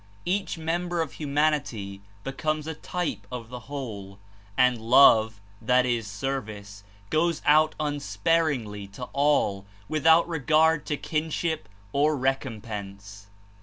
Each member of humanity becomes a type of the whole, and love, that Is, service, goes out unsparingly to all without regard to kinship or recom pense.